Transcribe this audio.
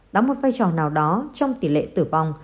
đóng một vai trò nào đó trong tỷ lệ tử vong